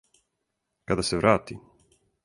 Када се врати?